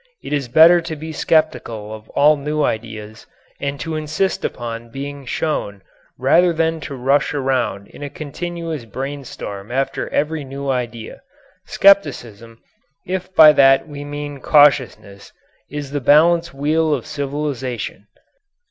It is better to be skeptical of all new ideas and to insist upon being shown rather than to rush around in a continuous brainstorm after every new idea. Skepticism, if by that we mean cautiousness, is the balance wheel of civilization.